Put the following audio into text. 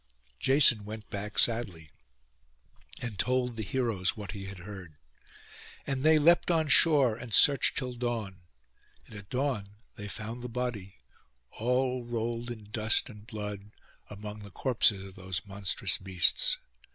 Jason went back sadly, and told the heroes what he had heard. And they leapt on shore, and searched till dawn; and at dawn they found the body, all rolled in dust and blood, among the corpses of those monstrous beasts.